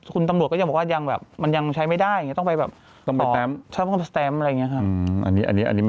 คุณตำรวจก็ยังบอกว่ายังใช้ไม่ได้ต้องไปต่อแสมป์อะไรอย่างนี้ค่ะ